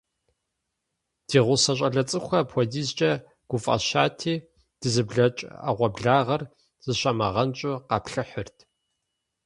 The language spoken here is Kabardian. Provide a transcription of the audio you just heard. Ди гъусэ щIалэ цIыкIухэр апхуэдизкIэ гуфIэщати, дызыблэкI Iэгъуэблагъэр, зыщамыгъэнщIу, къаплъыхьырт.